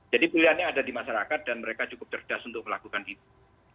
jadi pilihannya ada di masyarakat dan mereka cukup cerdas untuk melakukan itu